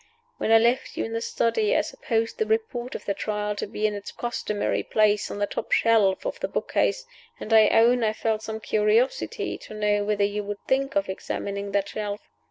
When I left you in the study, I supposed the Report of the Trial to be in its customary place on the top shelf of the book case, and I own I felt some curiosity to know whether you would think of examining that shelf.